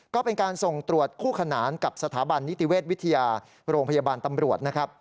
ก็เป็นการส่งตรวจคู่ขนานกับสถาบันนิติเวชวิทยาโรงพยาบาลตำรวจนะครับ